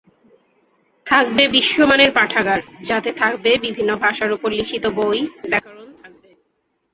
থাকবে বিশ্বমানের পাঠাগার, যাতে থাকবে বিভিন্ন ভাষার উপর লিখিত বই, ব্যাকরণ থাকবে।